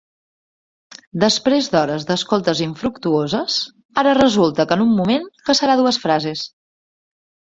Després d'hores d'escoltes infructuoses, ara resulta que en un moment caçarà dues frases.